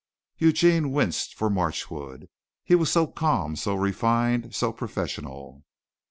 Eugene winced for Marchwood. He was so calm, so refined, so professional.